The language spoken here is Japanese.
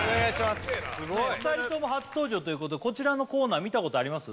お二人とも初登場ということでこちらのコーナー見たことあります？